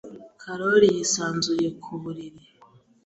Karoli yisanzuye ku buriri.